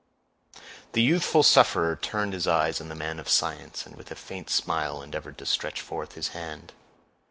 The youthful sufferer turned his eyes on the man of science, and with a faint smile endeavored to stretch forth his hand.